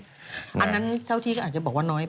ใช่คล้ายแบบว่าพวกขาปัดเขาจะชอบออกแบบแบบนี้